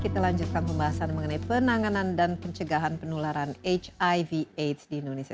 kita lanjutkan pembahasan mengenai penanganan dan pencegahan penularan hiv aids di indonesia